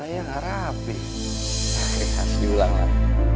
akhirnya siulang lah